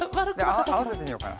あわせてみようかな。